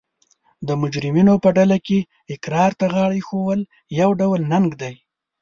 د مجرمینو په ډله کې اقرار ته غاړه ایښول یو ډول ننګ دی